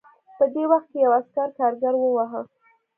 په دې وخت کې یو عسکر کارګر وواهه